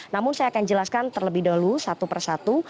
namun saya akan jelaskan terlebih dahulu satu per satu